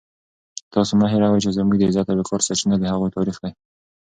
تاسو مه هېروئ چې زموږ د عزت او وقار سرچینه د هغوی تاریخ دی.